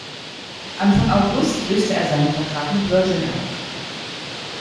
Anfang August löste er seinen Vertrag mit Virgin auf.